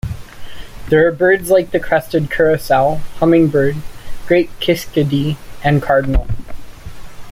There are birds like the crested curassow, hummingbird, great kiskadee and cardinal.